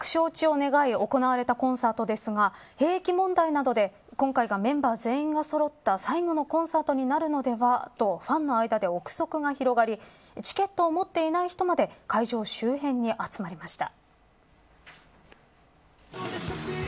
万博招致を願い行われたコンサートですが兵役問題などで今回がメンバー全員がそろった最後のコンサートになるのではとファンの間で臆測が広がりチケットを持っていない人まで会場周辺に集まりました。